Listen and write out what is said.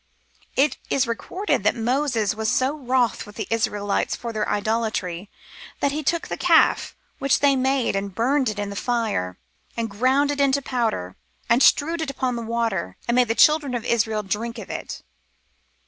It is recorded that Moses was so wroth with the Israelites for their idolatry, "that he took the calf which they had made and burned it in the fire, and ground it to powder, and strewed it upon the water, and made the children of Israel drink of it."